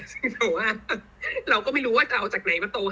ซึ่งแต่ว่าเราก็ไม่รู้ว่าจะเอาจากไหนมาโต